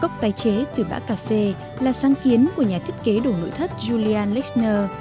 cốc tái chế từ bã cà phê là sáng kiến của nhà thiết kế đổ nội thất julian lechner